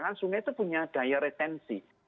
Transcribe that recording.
karena sungai itu punya daya retensi